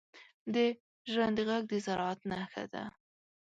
• د ژرندې ږغ د زراعت نښه ده.